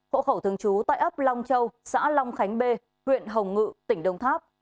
hộ khẩu thường trú tại ấp long châu xã long khánh bê huyện hồng ngự tỉnh đông tháp